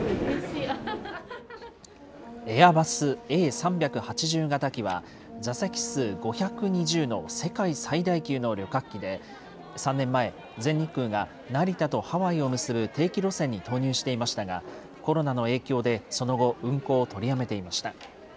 エアバスＡ３８０型機は、座席数５２０の世界最大級の旅客機で、３年前、全日空が成田とハワイを結ぶ定期路線に投入していましたが、コロナの影響でその後、運航を取りやめていました。